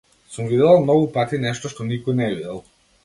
Сум видела многу пати нешто што никој не видел.